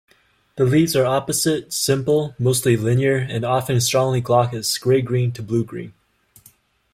The leaves are opposite, simple, mostly linear and often strongly glaucous grey-green to blue-green.